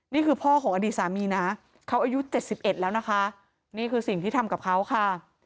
นี่คือพ่อของอดีตสามีนะเขาอายุ๗๑แล้วนะคะนี่คือสิ่งที่ทำกับเขาค่ะ